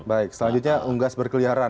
baik selanjutnya unggas berkeliaran